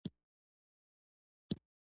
احمد اوږده لاسونه لري؛ هر څه کولای شي.